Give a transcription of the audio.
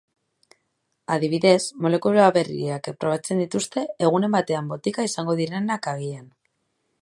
Adibidez, molekula berriak probatzen dituzte, egunen batean botika izango direnak agian.